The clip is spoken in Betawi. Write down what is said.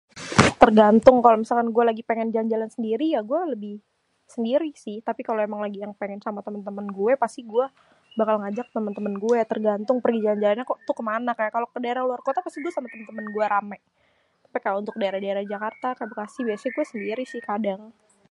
tergantung, kalo misalkan gue lagi pengen lagi jalan-jalan sendiri [ya] gua lebih si, sendiri sih tapi kalo yang lagi pengen sama temen-temen gue, pasti gua bakal ngajak temen-temen gue, tergantung perjanjian nya ko tuh [kek], kemana gitu kalo ke daerah keluar kota itu pasti sama temen-temen gua rame, tapi kalo untuk daerah-daerah Jakarta atau Bekasi [ya] pasti biasanya sendiri sih itu kadang.